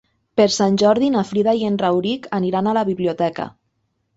Per Sant Jordi na Frida i en Rauric aniran a la biblioteca.